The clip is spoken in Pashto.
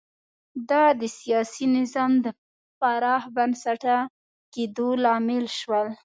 دا د سیاسي نظام پراخ بنسټه کېدو لامل شول